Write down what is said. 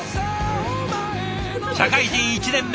社会人１年目。